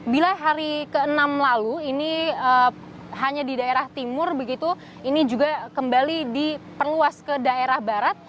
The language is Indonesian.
bila hari ke enam lalu ini hanya di daerah timur begitu ini juga kembali diperluas ke daerah barat